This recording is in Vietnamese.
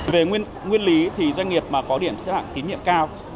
về nguyên lý thì doanh nghiệp có điểm xếp hạng tín nhậm cao